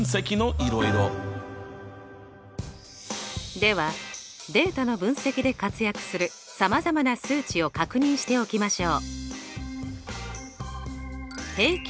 ではデータの分析で活躍するさまざまな数値を確認しておきましょう。